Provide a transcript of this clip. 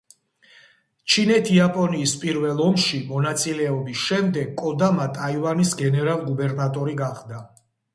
ჩინეთ-იაპონიის პირველ ომში მონაწილეობის შემდეგ, კოდამა ტაივანის გენერალ-გუბერნატორი გახდა.